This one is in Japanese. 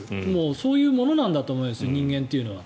そういうものなんだと思います人間というのは。